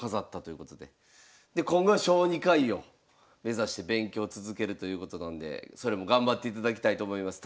で今後は小児科医を目指して勉強続けるということなんでそれも頑張っていただきたいと思います。